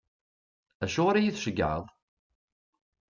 Acuɣer i yi-tceggɛeḍ?